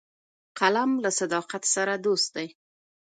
قلم له صداقت سره دوست دی